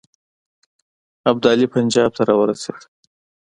ابدالي پنجاب ته را ورسېد.